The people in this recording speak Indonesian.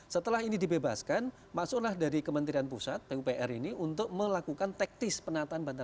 setelah ini dibebaskan masuklah dari kementerian pusat pupr ini untuk melakukan tektis penantan banjiran kali